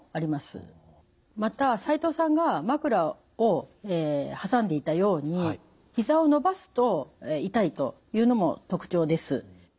また齋藤さんが枕を挟んでいたようにひざを伸ばすと痛いというのも特徴です。